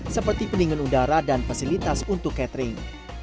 seperti pendingin udara dan fasilitas untuk catering